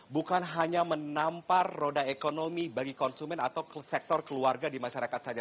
bukan hanya menampar roda ekonomi bagi konsumen atau sektor keluarga di masyarakat saja